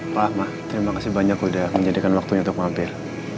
pak ahmad terima kasih banyak sudah menjadikan waktunya untuk mampir